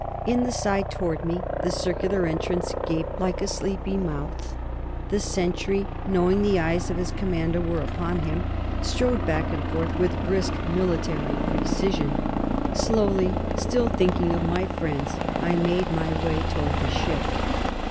In the side toward me, the circular entrance gaped like a sleepy mouth; the sentry, knowing the eyes of his commander were upon him, strode back and forth with brisk, military precision. Slowly, still thinking of my friends, I made my way toward the ship.